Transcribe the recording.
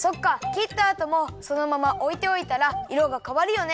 きったあともそのままおいておいたらいろがかわるよね。